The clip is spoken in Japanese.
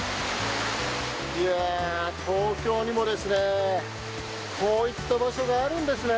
いやー、東京にもですね、こういった場所があるんですね。